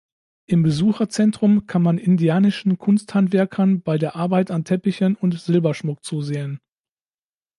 Im Besucherzentrum kann man indianischen Kunsthandwerkern bei der Arbeit an Teppichen und Silberschmuck zusehen.